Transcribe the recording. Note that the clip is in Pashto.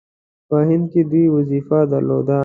په هند کې دوی وظیفه درلوده.